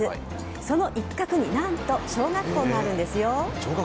その一角に何と小学校があるんですよ。